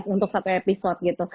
untuk satu episode gitu